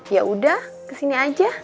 yaudah kesini aja